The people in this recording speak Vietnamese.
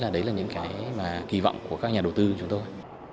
đấy là những kỳ vọng của các nhà đầu tư của chúng tôi